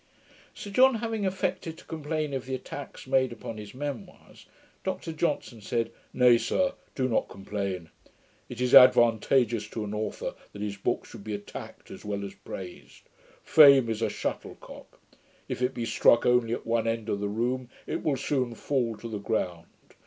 Sir John having affected to complain of the attacks made upon his Memoirs, Dr Johnson said, 'Nay, sir, do not complain. It is advantageous to an authour, that his book should be attacked as well as praised. Fame is a shuttlecock. If it be struck only at one end of the room, it will soon fall to the ground.